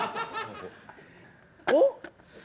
おっ？